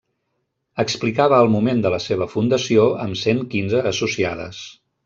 Explicava al moment de la seva fundació amb cent quinze associades.